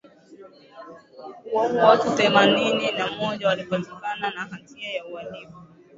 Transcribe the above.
kuwaua watu themanini na moja waliopatikana na hatia ya uhalifu